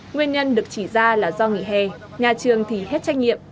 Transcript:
nguyên nhân được chỉ ra là do nghỉ hè nhà trường thì hết trách nhiệm